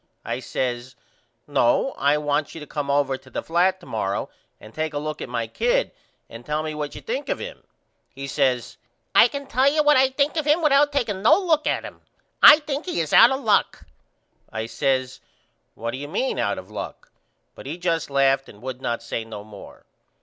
I says No I want you to come over to the flat to morrow and take a look at my kid and tell me what you think of him. He says I can tell you what I think of him without takeing no look at him. I think he is out of luck. I says What do you mean out of luck. But he just laughed and would not say no more.